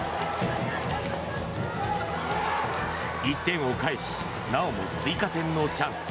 １点を返しなおも追加点のチャンス。